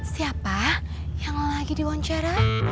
siapa yang lagi diwancar